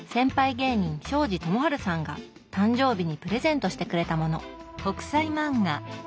芸人庄司智春さんが誕生日にプレゼントしてくれたもの。